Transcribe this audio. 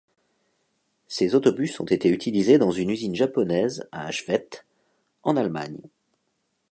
Ces autobus ont été utilisés dans une usine japonaise à Schwedt, en Allemagne.